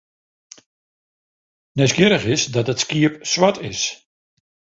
Nijsgjirrich is dat it skiep swart is.